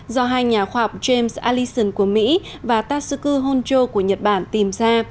do hai nhà khoa học james allison của mỹ và tasuku honjo của nhật bản tìm ra